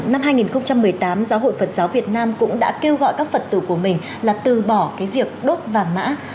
năm hai nghìn một mươi tám giáo hội phật giáo việt nam cũng đã kêu gọi các phật tử của mình là từ bỏ cái việc đốt vàng mã